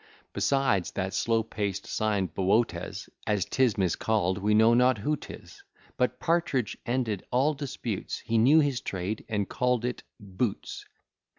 Besides, that slow paced sign Böötes, As 'tis miscall'd, we know not who 'tis; But Partridge ended all disputes; He knew his trade, and call'd it boots.